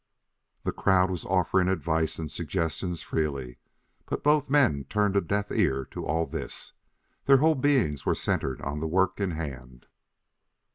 The crowd was offering advice and suggestions freely, but both men turned a deaf ear to all of this. Their whole beings were centered on the work in hand.